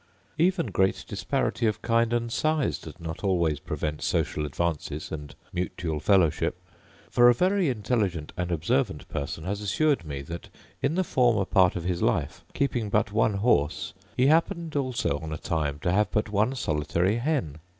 Even great disparity of kind and size does not always prevent social advances and mutual fellowship. For a very intelligent and observant person has assured me that, in the former part of his life, keeping but one horse, he happened also on a time to have but one solitary hen.